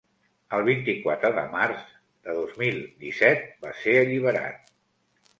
El vint-i-quatre de març de dos mil disset va ser alliberat.